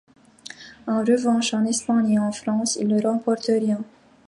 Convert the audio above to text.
En revanche, en Espagne et en France, il ne remporte rien.